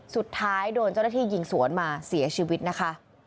สุดท้ายโดนเจ้าหน้าที่ยิงสวนมาเสียชีวิตนะคะ